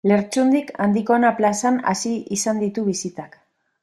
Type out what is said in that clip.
Lertxundik Andikona plazan hasi izan ditu bisitak.